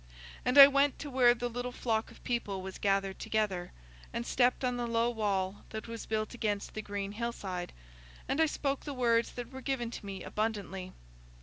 And I went to where the little flock of people was gathered together, and stepped on the low wall that was built against the green hillside, and I spoke the words that were given to me abundantly.